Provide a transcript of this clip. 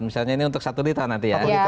misalnya ini untuk satu juta nanti ya